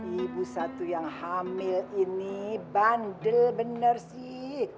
ibu satu yang hamil ini bandel bener sih